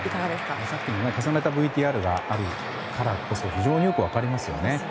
さっきの重ねたＶＴＲがあるからこそ非常によく分かりますね。